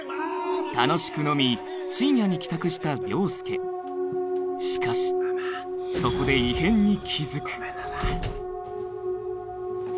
楽しく飲み深夜に帰宅した凌介しかしそこで異変に気付くごめんなさい。